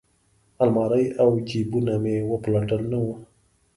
المارۍ او جیبونه مې وپلټل نه وه.